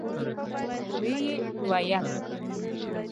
ويې ويل: